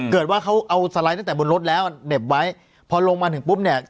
เกิดว่าเขาเอาสไลด์ตั้งแต่บนรถแล้วเหน็บไว้พอลงมาถึงปุ๊บเนี่ย